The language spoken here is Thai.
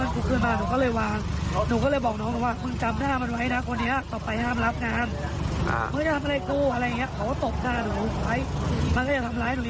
ผู้ชายวันนั้นกลัวก็เลยพักหนูลงจากรถ